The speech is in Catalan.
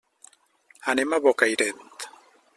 Anem a Bocairent.